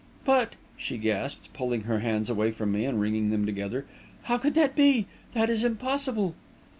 "But," she gasped, pulling her hands away from me and wringing them together, "how could that be? That is impossible!"